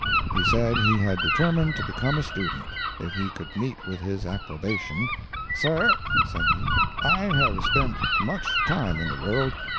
He said he had determined to become a student, if he could meet with his approbation. "Sir," said he, "I have spent much time in the world.